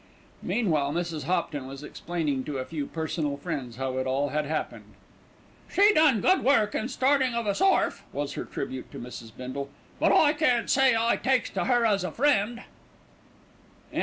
Meanwhile, Mrs. Hopton was explaining to a few personal friends how it all had happened. "She done good work in startin' of us orf," was her tribute to Mrs. Bindle; "but I can't say I takes to her as a friend."